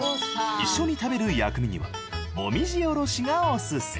一緒に食べる薬味にはもみじおろしがおすすめ。